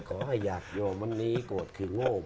ขอให้อยากโยมวันนี้โกรธคือโง่